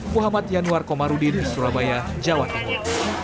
muhammad yanwar komarudin surabaya jawa tenggara